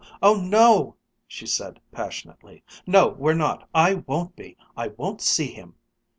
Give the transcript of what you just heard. Oh no!" she said passionately. "No, we're not! I won't be! I won't see him!"